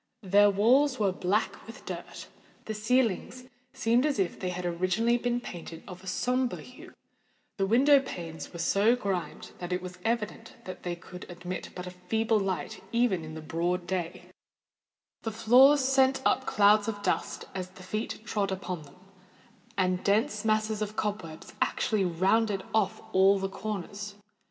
Their walls were black with dirt—the ceilings seemed as if they had originally been painted of a sombre hue—the window panes were so grimed that it was evident they could admit but a feeble light even in the broad day—the floors sent up clouds of dust as the feet trod upon them—and dense masses of cob webs actually rounded off all the corners.